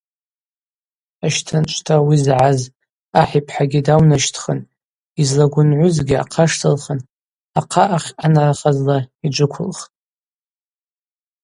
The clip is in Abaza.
Ащтанчӏвта ауи загӏаз ахӏ йпхӏагьи даунащтхын, йызлагвынгӏвызгьи ахъаштылхын ахъа ахьъанархазла йджвыквылхтӏ.